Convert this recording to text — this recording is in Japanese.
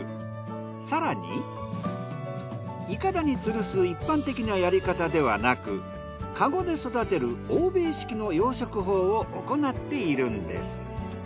更にいかだに吊るす一般的なやり方ではなくカゴで育てる欧米式の養殖法をおこなっているんです。